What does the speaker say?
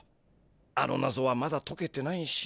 あのなぞはまだとけてないし。